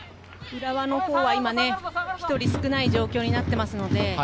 浦和のほうは１人少ない状況になっています。